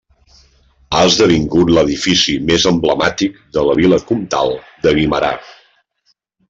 Ha esdevingut l'edifici més emblemàtic de la vila comtal de Guimerà.